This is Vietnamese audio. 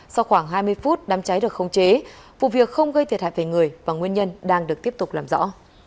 sau khoảng hai mươi phút đám cháy được không chế vụ việc không gây thiệt hại về người và nguyên nhân đang được tiếp tục làm rõ